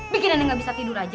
bikin nenek gak bisa tidur aja